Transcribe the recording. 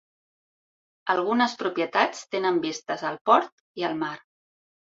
Algunes propietats tenen vistes al port i al mar.